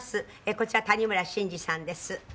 こちら谷村新司さんです。